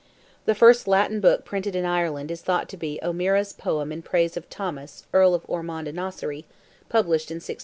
The first Latin book printed in Ireland is thought to be O'Meara's poem in praise of Thomas, Earl of Ormond and Ossory, published in 1615.